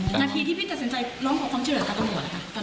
เขาบอกอุ้มไปฆ่าครับ